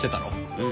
うん。